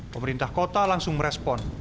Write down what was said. pemerintah kota langsung merespon